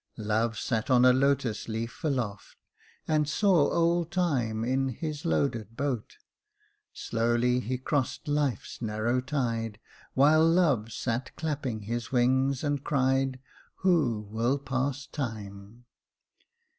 Jacob Faithful 267 Love sat on a lotus leaf aloft, And saw old Time in his loaded boat, Slowly he crossed Life's narrow tide, While Love sat clapping his wings, and cried, ' Who will pass Time